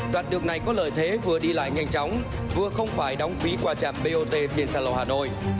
đoạn đường này có lợi thế vừa đi lại nhanh chóng vừa không phải đóng phí qua trạm bot trên xa lộ hà nội